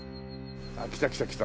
ああ来た来た来た。